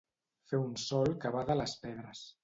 Fer un sol que bada les pedres.